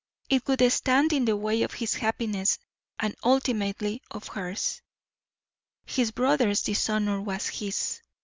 It would stand in the way of his happiness and ultimately of hers; his brother's dishonour was his.